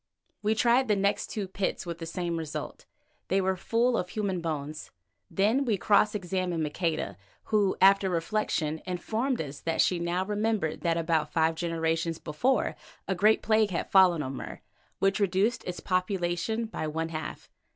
We tried the next two pits with the same result—they were full of human bones. Then we cross examined Maqueda, who, after reflection, informed us that she now remembered that about five generations before a great plague had fallen on Mur, which reduced its population by one half.